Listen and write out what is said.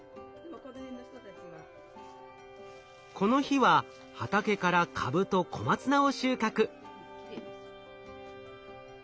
この日は畑からカブと小松菜を収穫。